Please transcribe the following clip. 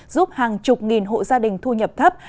giúp hàng chục nghìn hộ gia đình thu nhập thấp